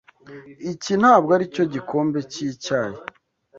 Iki ntabwo aricyo gikombe cyicyayi.